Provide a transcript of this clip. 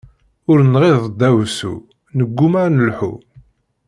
Ur nɣiḍ deɛwessu, negumma ad neḥlu.